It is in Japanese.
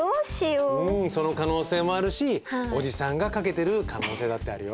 その可能性もあるしおじさんがかけてる可能性だってあるよ。